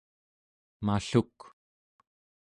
malluk